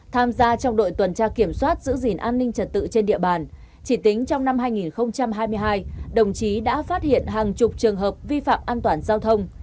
tham gia trong đội tuần tra kiểm soát giữ gìn an ninh trật tự trên địa bàn chỉ tính trong năm hai nghìn hai mươi hai đồng chí đã phát hiện hàng chục trường hợp vi phạm an toàn giao thông